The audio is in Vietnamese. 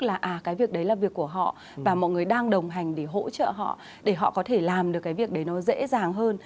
là cái việc đấy là việc của họ và mọi người đang đồng hành để hỗ trợ họ để họ có thể làm được cái việc đấy nó dễ dàng hơn